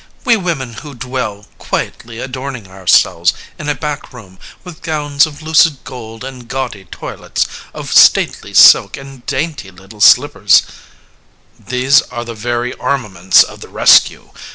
We women who dwell Quietly adorning ourselves in a back room With gowns of lucid gold and gawdy toilets Of stately silk and dainty little slippers.... LYSISTRATA These are the very armaments of the rescue.